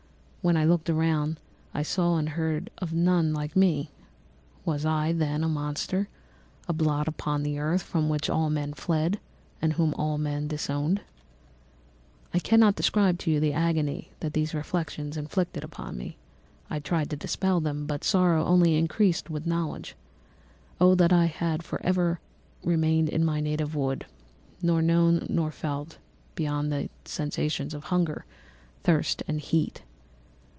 When I looked around I saw and heard of none like me. Was I, then, a monster, a blot upon the earth, from which all men fled and whom all men disowned? "I cannot describe to you the agony that these reflections inflicted upon me; I tried to dispel them, but sorrow only increased with knowledge. Oh, that I had for ever remained in my native wood, nor known nor felt beyond the sensations of hunger, thirst, and heat!